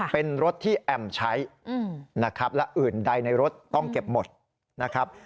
เป็นรถที่แอมใช้นะครับและอื่นใดในรถต้องเก็บหมดนะครับ